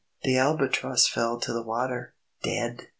The Albatross fell to the water dead!